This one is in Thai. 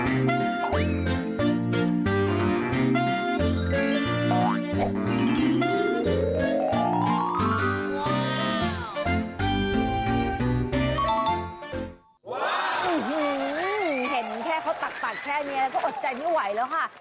เย็นแค่เค้าตัดปัดแค่นี้หัวใจไม่ไหวแล้วค่ะ